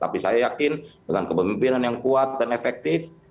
tapi saya yakin dengan kepemimpinan yang kuat dan efektif